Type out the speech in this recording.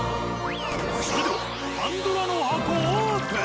それではパンドラの箱オープン！